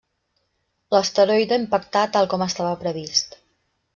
L'asteroide impactà tal com estava previst.